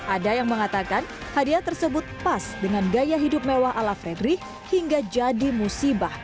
ada yang mengatakan hadiah tersebut pas dengan gaya hidup mewah ala fredrik hingga jadi musibah